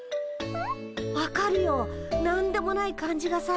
分かるよ何でもない感じがさ